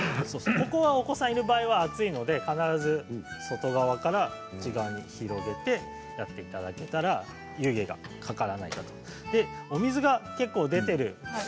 ここはお子さんがいる場合は熱いので必ず外側から内側に広げてやっていただけたら湯気がかからないかと思います。